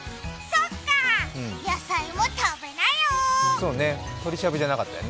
そっかー、野菜も食べなよ。